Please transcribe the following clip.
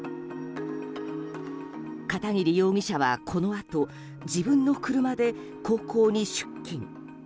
片桐容疑者は、このあと自分の車で高校に出勤。